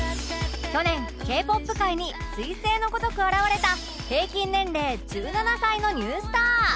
去年 Ｋ−ＰＯＰ 界に彗星のごとく現れた平均年齢１７歳のニュースター